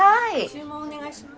・注文お願いします